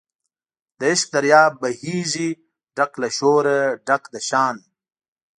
د عشق دریاب بهیږي ډک له شوره ډک د شان